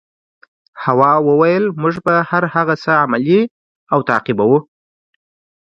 هوا وویل موږ به هر هغه څه عملي او تعقیبوو.